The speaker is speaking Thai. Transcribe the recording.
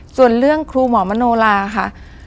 ส่วนเรื่องครูหมอมโนลาค่ะ